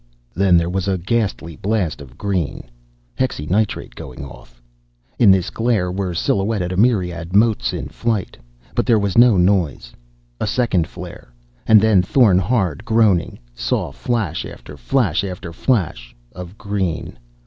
Then there was a ghastly blast of green. Hexynitrate going off. In this glare were silhouetted a myriad motes in flight. But there was no noise. A second flare.... And then Thorn Hard, groaning, saw flash after flash after flash of green.